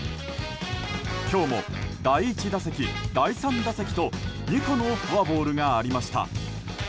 今日も第１打席、第３打席と２個のフォアボールがありました。